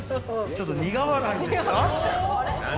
ちょっと苦笑いですか。